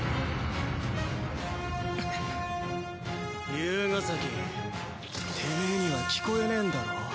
竜ヶ崎テメエには聞こえねえんだろ？